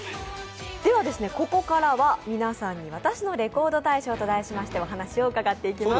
ここからは皆さんに「私のレコード大賞」題して伺っていきます。